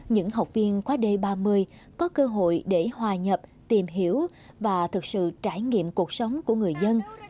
những học viên khóa d ba mươi có cơ hội để hòa nhập tìm hiểu và thực sự trải nghiệm cuộc sống của người dân